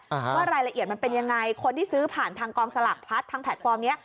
ว่ารายละเอียดมันเป็นยังไงคนที่ซื้อผ่านทางกองสลากพลัดทางแพลตฟอร์มเนี้ย